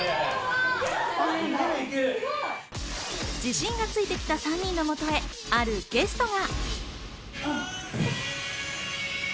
自信がついてきた３人の元へあるゲストが。